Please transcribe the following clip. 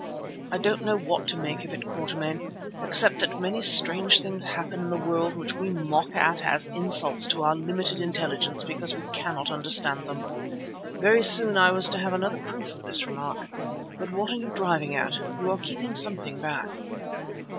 "I don't know what to make of it, Quatermain, except that many strange things happen in the world which we mock at as insults to our limited intelligence because we cannot understand them." (Very soon I was to have another proof of this remark.) "But what are you driving at? You are keeping something back."